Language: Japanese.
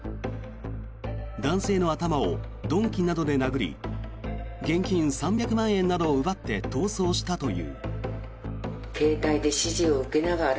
男性の頭を鈍器などで殴り現金３００万円などを奪って逃走したという。